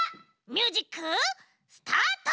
ミュージックスタート！